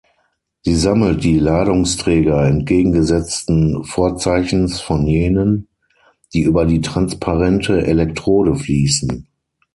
Sie sammelt die Ladungsträger entgegengesetzten Vorzeichens von jenen, die über die transparente Elektrode fließen.